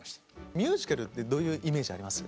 ミュージカルってどういうイメージあります？